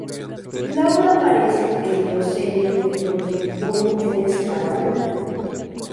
La obra aparece en dos series de dos volúmenes cada una.